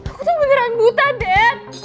aku tuh beneran buta dad